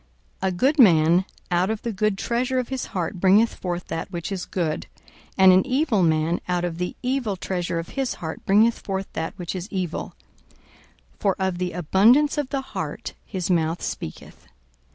42:006:045 A good man out of the good treasure of his heart bringeth forth that which is good; and an evil man out of the evil treasure of his heart bringeth forth that which is evil: for of the abundance of the heart his mouth speaketh.